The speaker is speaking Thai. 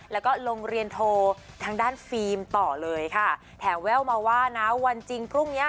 แล้วก็โรงเรียนโทรทางด้านฟิล์มต่อเลยค่ะแถมแว่วมาว่านะวันจริงพรุ่งเนี้ย